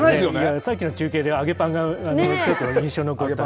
さっきの中継で、揚げパンが強く印象に残ってます。